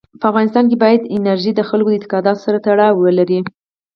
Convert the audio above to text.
په افغانستان کې بادي انرژي د خلکو د اعتقاداتو سره تړاو لري.